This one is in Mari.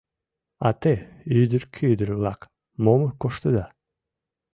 А те, ӱдыр-кӱдыр-влак, мом коштыда?